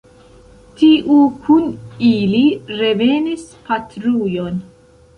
Tiu kun ili revenis patrujon.